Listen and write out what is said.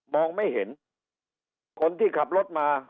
ไม่เห็นคนที่ขับรถมา